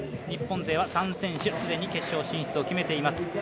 日本勢は３選手既に決勝進出を決めています。